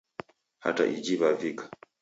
Hata iji Wavika